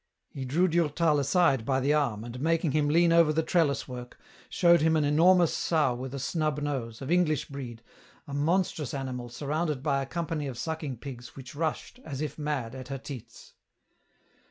He drew Durtal aside by the arm, and making him lean over the trellis work, showed him an enormous sow with a snub nose, of English breed, a monstrous animal surrounded by a company of sucking pigs which rushed, as if mad, at her teats.